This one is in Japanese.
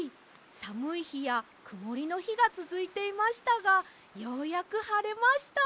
さむいひやくもりのひがつづいていましたがようやくはれました！